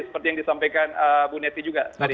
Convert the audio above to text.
seperti yang disampaikan bu neti juga